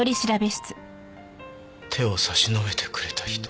手を差し伸べてくれた人。